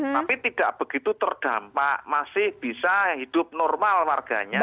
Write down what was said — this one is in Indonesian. tapi tidak begitu terdampak masih bisa hidup normal warganya